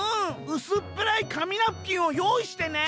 うすっぺらいかみナプキンをよういしてね』